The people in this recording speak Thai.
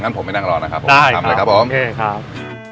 งั้นผมไปนั่งรอนะครับได้ครับทำเลยครับผมโอเคครับ